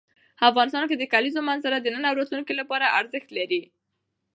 افغانستان کې د کلیزو منظره د نن او راتلونکي لپاره ارزښت لري.